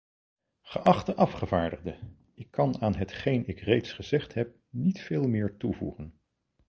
Geachte afgevaardigde, ik kan aan hetgeen ik reeds gezegd heb niet veel meer toevoegen.